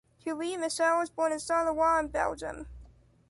Thierry Michel is born in Charleroi in Belgium.